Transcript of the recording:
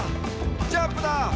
ジャンプだ！」